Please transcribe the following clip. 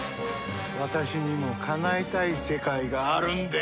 私にもかなえたい世界があるんでね！